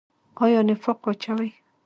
آیا نفاق واچوي؟